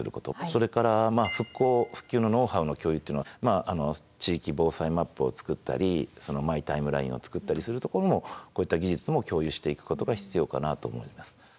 それからまあ復興復旧のノウハウの共有っていうのはまあ地域防災マップを作ったりマイ・タイムラインを作ったりするところもこういった技術も共有していくことが必要かなと思います。